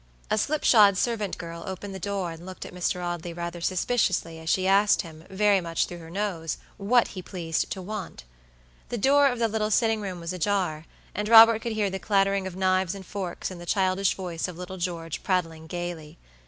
A slipshod servant girl opened the door and looked at Mr. Audley rather suspiciously as she asked him, very much through her nose, what he pleased to want. The door of the little sitting room was ajar, and Robert could hear the clattering of knives and forks and the childish voice of little George prattling gayly.